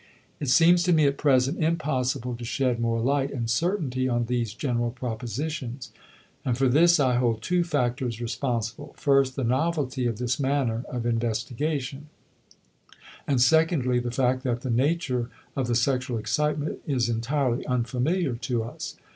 It seems to me at present impossible to shed more light and certainty on these general propositions, and for this I hold two factors responsible; first, the novelty of this manner of investigation, and secondly, the fact that the nature of the sexual excitement is entirely unfamiliar to us.